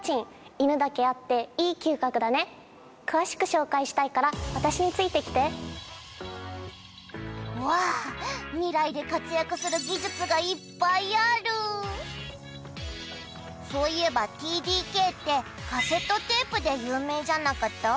犬だけあっていい嗅覚だね詳しく紹介したいから私についてきてうわ未来で活躍する技術がいっぱいあるそういえばＴＤＫってカセットテープで有名じゃなかった？